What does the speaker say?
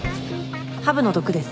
ハブの毒です。